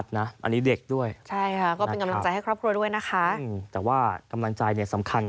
แต่ว่ากำลังใจเนี่ยสำคัญ